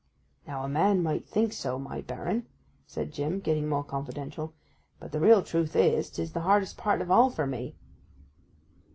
'Now a man might think so, my baron,' said Jim, getting more confidential. 'But the real truth is, 'tis the hardest part of all for me.